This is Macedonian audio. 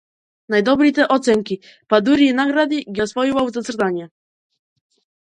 Најдобрите оценки, па дури и награди, ги освојувал за цртање.